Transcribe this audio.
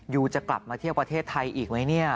ยูจะกลับมาเที่ยวประเทศไทยอีกไหมเนี่ย